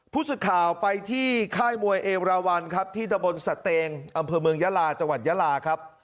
สึกข่าวไปที่ค่ายมวยเอราวันครับที่ตะบนสเตงอำเภอเมืองยาลาจังหวัดยาลาครับ